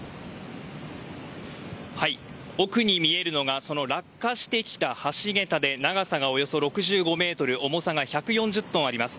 奥に見えるのが落下してきた橋げたで長さがおよそ６５ｍ重さが１４０トンあります。